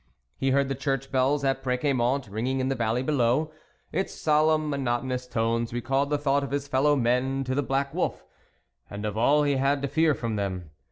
He heard the church bells at Preciamont ringing in the valley below; its solemn, monotonous tones recalled the thought of his fellow men to the black wolf, and of all he had to fear from them.